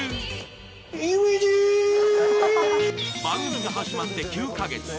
番組が始まって９カ月